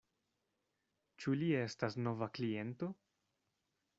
Ĉu li estas nova kliento?